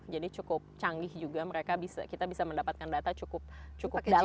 jadi cukup canggih juga mereka bisa kita bisa mendapatkan data cukup cukup dalam